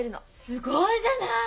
すごいじゃない！